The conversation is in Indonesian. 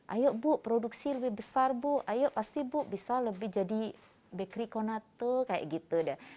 ayo bu produksi lebih besar bu ayo pasti bu bisa lebih jadi bakery conatu kayak gitu